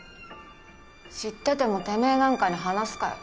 知っててもてめえなんかに話すかよ